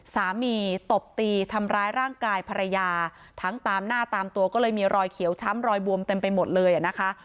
ตบตีทำร้ายร่างกายภรรยาทั้งตามหน้าตามตัวก็เลยมีรอยเขียวช้ำรอยบวมเต็มไปหมดเลยอ่ะนะคะ